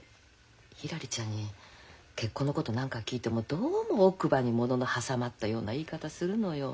ひらりちゃんに結婚のこと何か聞いてもどうも奥歯に物の挟まったような言い方するのよ。